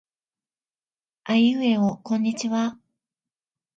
あいうえおこんにちは。